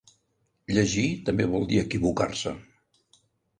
Llegir també vol dir equivocar-se.